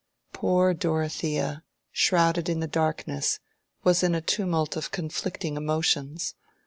Poor Dorothea, shrouded in the darkness, was in a tumult of conflicting emotions.